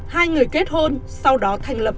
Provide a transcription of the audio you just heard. hai người kết hôn sau đó thành lập